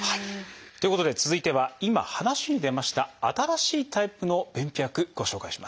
ということで続いては今話に出ました新しいタイプの便秘薬ご紹介します。